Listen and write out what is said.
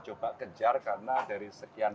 coba kejar karena dari sekian